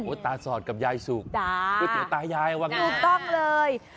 อุ๊ยตาสอดกับยายสุกเวตรียวตายายฟะแงนะคะสุดต้องเลย